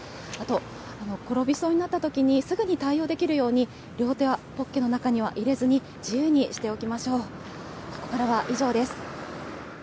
あと転びそうになったときに、すぐに対応できるように、両手はポッケの中に入れずに、自由にしておきましょう。